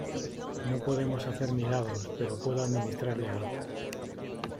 no podemos hacer milagros, pero puedo administrarle algo.